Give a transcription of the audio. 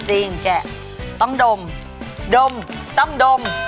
แกะต้องดมดมต้องดม